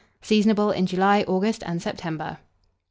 Seasonable in July, August, and September.